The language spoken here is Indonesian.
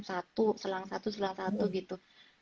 satu selang satu selang satu gitu